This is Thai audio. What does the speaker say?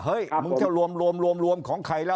เฮ้ยมุนเทวด์โรมโรมของใครแล้ว